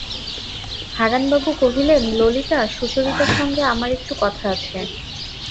হারানবাবু কহিলেন, ললিতা, সুচরিতার সঙ্গে আমার একটু কথা আছে।